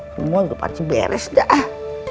semua juga pasti beres dah